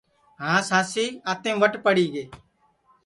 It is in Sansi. ہانٚس ہانٚسی آنٚتینٚم وٹ پڑی گے